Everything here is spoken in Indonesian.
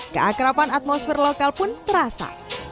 keakrapan atmosfer lokal pun terasa